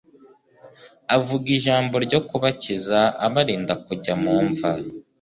avuga ijambo ryo kubakiza abarinda kujya mu mva